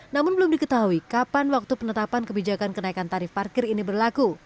namun belum diketahui kapan waktu penetapan kebijakan kenaikan tarif parkir ini berlaku